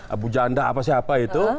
abu janda apa siapa itu